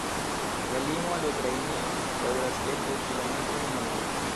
La limo al Ukrainio daŭras kelkajn kilometrojn norde.